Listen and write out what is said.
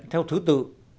theo thứ tự